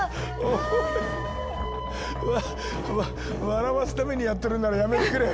笑わすためにやってるんならやめてくれ。